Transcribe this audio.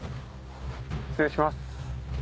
失礼します。